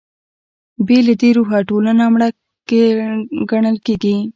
بې له دې روحه ټولنه مړه ګڼل کېږي.